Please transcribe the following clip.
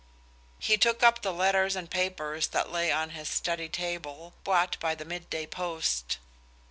He took up the letters and papers that lay on his study table, brought by the mid day post.